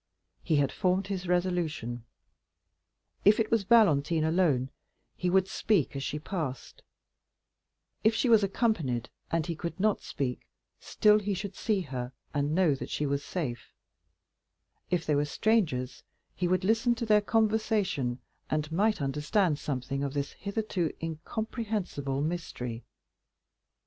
He had formed his resolution. If it was Valentine alone, he would speak as she passed; if she was accompanied, and he could not speak, still he should see her, and know that she was safe; if they were strangers, he would listen to their conversation, and might understand something of this hitherto incomprehensible mystery.